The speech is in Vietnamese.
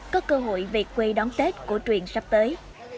có cơ hội việc quay đón tết của truyền sắp tới